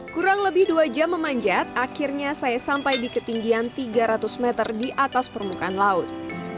kurang lebih dua jam memanjat akhirnya saya sampai di ketinggian tiga ratus meter di atas permukaan laut